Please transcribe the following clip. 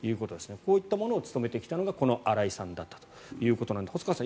こういったものを務めてきたのが荒井さんだったということで細川さん